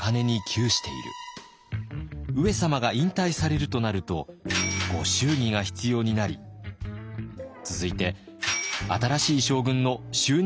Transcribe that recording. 上様が引退されるとなるとご祝儀が必要になり続いて新しい将軍の就任祝いも必要になる。